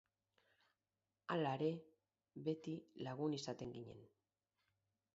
Halare, beti lagun izaten ginen.